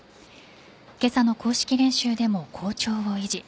今朝の公式練習でも好調を維持。